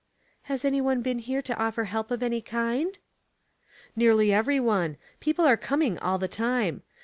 '' Has any one been here to offer help of any kind?" " Nearly every one ; people are coming all the time.